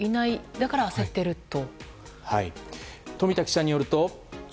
だから焦っていると？